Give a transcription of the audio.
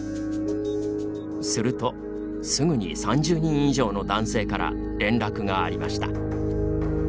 すると、すぐに３０人以上の男性から連絡がありました。